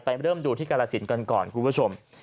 เริ่มดูที่กรสินกันก่อนคุณผู้ชม